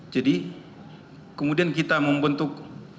jadi kemudian kita membentuk